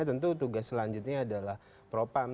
tentu tugas selanjutnya adalah propam